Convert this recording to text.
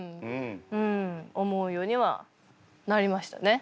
うん思うようにはなりましたね。